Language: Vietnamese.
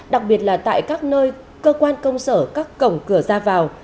đặc biệt là tại các nơi cơ quan công sở các cổng cửa ra vào